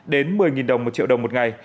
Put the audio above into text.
đến một mươi đồng một triệu đồng một ngày